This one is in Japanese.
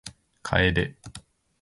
楓